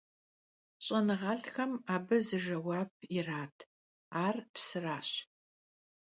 Ş'enığelh'xem abı zı jjeuap yirat, ar psıraş.